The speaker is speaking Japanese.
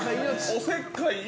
おせっかい命。